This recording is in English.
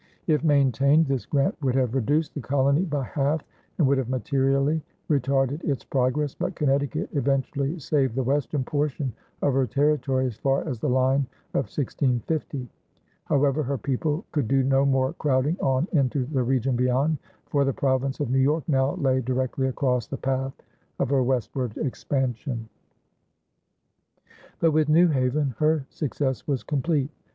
If maintained, this grant would have reduced the colony by half and would have materially retarded its progress; but Connecticut eventually saved the western portion of her territory as far as the line of 1650. However, her people could do no more crowding on into the region beyond, for the province of New York now lay directly across the path of her westward expansion. But with New Haven her success was complete.